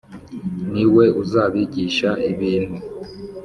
Ni we uzabigisha ibintu.